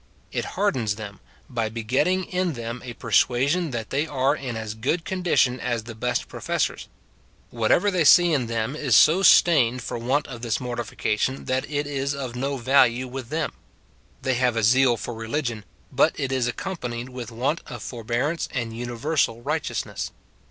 It hardens them, by begetting in them a persua sion that they are in as good condition as the best pro fessors. Whatever they see in them is so stained for want of this mortification that it is of no value with them. They have a zeal for religion ; but it is accompanied with want of forbearance and universal righteousness.